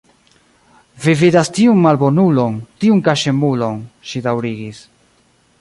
Vi vidas tiun malbonulon, tiun kaŝemulon, ŝi daŭrigis.